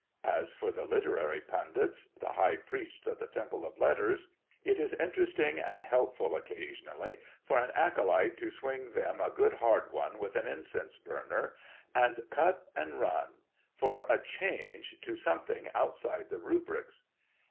As for the literary pundits, the high priests of the Temple of Letters, it is interesting and helpful occasionally for an acolyte to swinge them a good hard one with an incense burner, and cut and run, for a change, to something outside the rubrics.